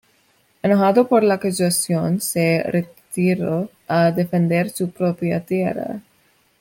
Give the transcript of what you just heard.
Enojado por la acusación, se retiró a defender su propia tierra.